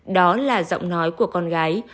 đó là giọng nói của con gái